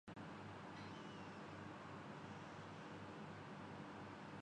کہ ایک ہی گروہ کو بعض علماے دین کافر قرار دیتے ہیں